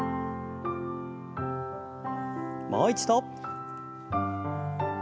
もう一度。